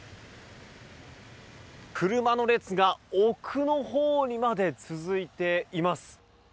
車の列が奥のほうにまで続いています。